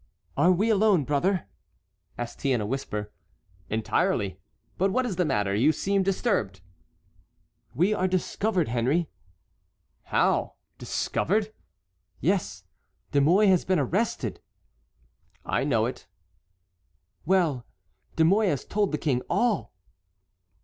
"Are we alone, brother?" asked he in a whisper. "Entirely. But what is the matter? You seem disturbed." "We are discovered, Henry." "How?—discovered?" "Yes, De Mouy has been arrested." "I know it." "Well, De Mouy has told the King all."